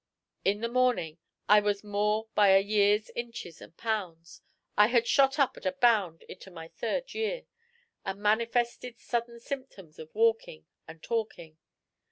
In the morning I was more by a year's inches and pounds. I had shot up at a bound into my third year, and manifested sudden symptoms of walking and talking.